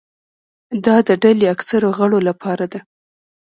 دا د ډلې اکثرو غړو لپاره ده.